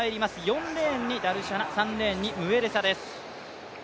４レーンにダルシャナ、３レーンにムウェレサです。